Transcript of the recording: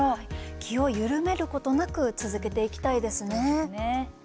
気を緩めることなく続けていきたいですね。